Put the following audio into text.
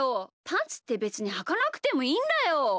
パンツってべつにはかなくてもいいんだよ！